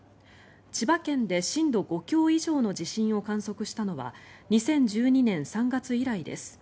千葉県で震度５強以上の地震を観測したのは２０１２年３月以来です。